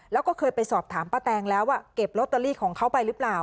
แล้วก็เคยไปสอบถามป้าแตงแล้วว่าเก็บลอตเตอรี่ของเขาไปหรือเปล่า